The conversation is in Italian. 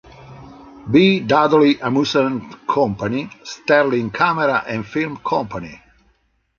B. Dudley Amusement Co., Sterling Camera and Film Company.